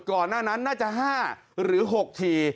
ก่อนหน้านั้นน่าจะ๕หรือ๖ที